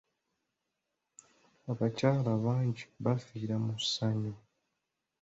Abakyala bangi baafiira mu ssanya.